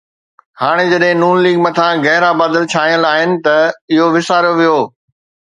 هاڻي جڏهن نون ليگ مٿان گہرا بادل ڇانيل آهن ته اهو وساريو ويو